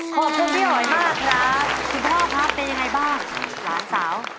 ขอบคุณพี่อ๋อยมากครับคุณพ่อครับเป็นยังไงบ้างหลานสาว